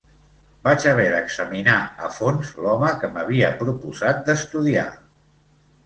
Vaig haver d'examinar a fons l'home que m'havia proposat d'estudiar.